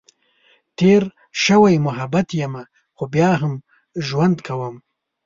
تېر شوی محبت یمه، خو بیا هم ژوند کؤم.